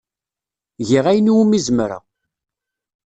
Giɣ ayen umi zemreɣ.